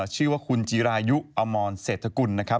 ชื่อว่าคุณจีรายุอมรเศรษฐกุลนะครับ